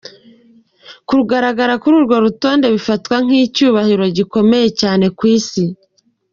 Kugaragara kuri urwo rutonde bifatwa nk’icyubahiro gikomeye cyane ku Isi.